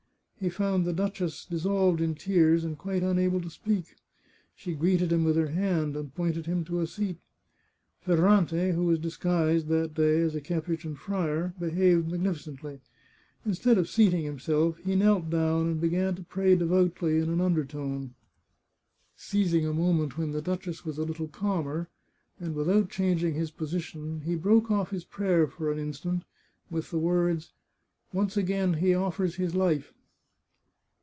He found the duchess dissolved in tears, and quite unable to speak. She greeted him with her hand, and pointed him to a seat. Ferrante, who was disguised, that day, as a Capuchin friar, behaved magnificently. Instead of seating himself, he knelt down, and began to pray devoutly in an undertone. Seizing a moment when the duchess was a little calmer, and without changing his position, he broke oflf his prayer for an instant, with the words :" Once again he oflfers his life."